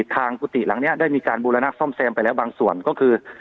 กุฏิหลังนี้ได้มีการบูรณะซ่อมแซมไปแล้วบางส่วนก็คือ